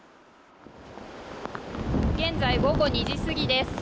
現在、午後２時過ぎです。